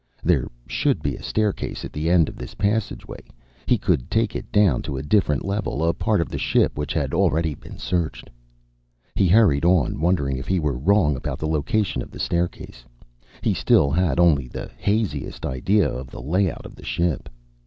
There should be a staircase at the end of this passageway. He could take it down to a different level, a part of the ship which had already been searched. He hurried on, wondering if he were wrong about the location of the staircase. He still had only the haziest idea of the layout of the ship.